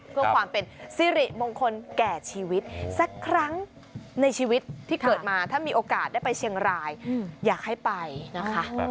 เพื่อความเป็นสิริมงคลแก่ชีวิตสักครั้งในชีวิตที่เกิดมาถ้ามีโอกาสได้ไปเชียงรายอยากให้ไปนะคะ